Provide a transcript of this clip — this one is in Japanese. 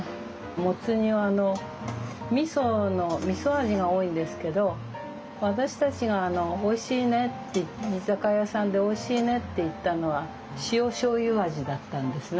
もつ煮はみそ味が多いんですけど私たちがおいしいねって居酒屋さんでおいしいねって言ったのは塩しょうゆ味だったんですね。